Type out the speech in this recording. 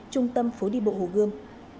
trung tâm phố đi bộ hồ gươm